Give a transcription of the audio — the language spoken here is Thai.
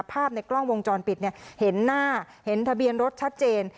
ภาพในกล้องวงจรปิดเห็นหน้าเห็นทะเบียนรถชัดเจน